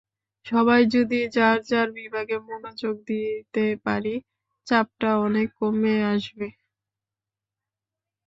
সবাই যদি যার যার বিভাগে মনোযোগ দিতে পারি, চাপটা অনেক কমে আসবে।